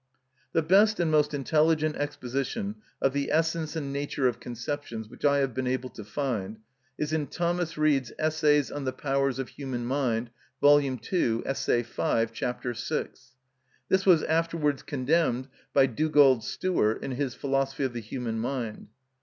The best and most intelligent exposition of the essence and nature of conceptions which I have been able to find is in Thomas Reid's "Essays on the Powers of Human Mind," vol. ii., Essay 5, ch. 6. This was afterwards condemned by Dugald Stewart in his "Philosophy of the Human Mind."